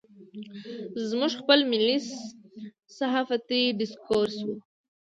زموږ خپل ملي صحافتي ډسکورس و.